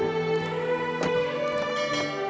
pake tas ya